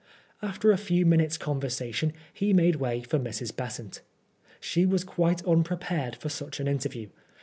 After a few minutes' conversation he made way for Mrs. Besant. She was quite unprepared for such an interview.